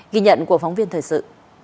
ghi nhận của phóng viên thời sự